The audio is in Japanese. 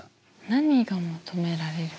何が求められる？